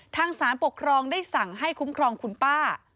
ทางสารปกครองได้สั่งให้คุ้มครองคุณป้า